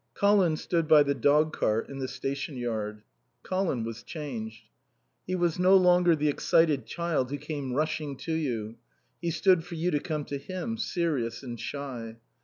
Colin stood by the dogcart in the station yard. Colin was changed. He was no longer the excited child who came rushing to you. He stood for you to come to him, serious and shy.